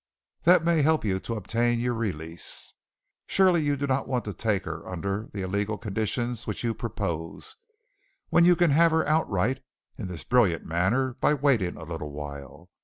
That may help you obtain your release. Surely you do not want to take her under the illegal condition which you propose, when you can have her outright in this brilliant manner by waiting a little while.